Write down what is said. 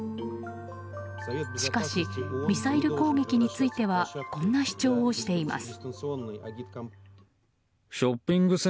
しかしミサイル攻撃についてはこんな主張をしています。